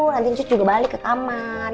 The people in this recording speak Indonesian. nanti sus juga balik ke kamar